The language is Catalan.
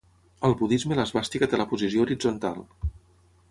Al budisme l'esvàstica té la posició horitzontal.